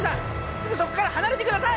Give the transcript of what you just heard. すぐそこからはなれてください！